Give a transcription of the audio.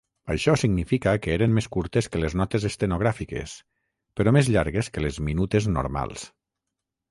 Això significa que eren més curtes que les notes estenogràfiques però mes llargues que les minutes normals.